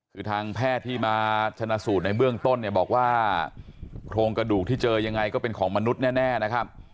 คือทางแพทย์ที่มาชนะสูตรในเบื้องต้นเนี่ยบอกว่าโครงกระดูกที่เจอยังไงก็เป็นของมนุษย์แน่นะครับ